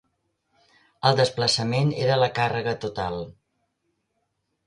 El desplaçament era la càrrega total.